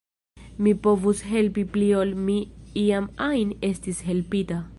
Mi povus helpi pli ol mi iam ajn estis helpita.